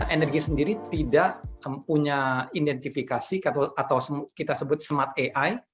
energi sendiri tidak punya identifikasi atau kita sebut smart ai